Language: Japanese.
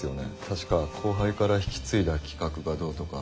確か後輩から引き継いだ企画がどうとか。